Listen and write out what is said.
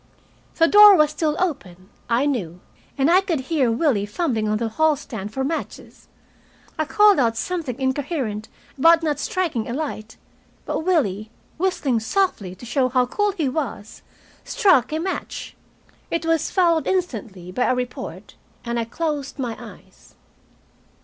The door was still open, I knew, and I could hear Willie fumbling on the hall stand for matches. I called out something incoherent about not striking a light; but Willie, whistling softly to show how cool he was, struck a match. It was followed instantly by a report, and I closed my eyes.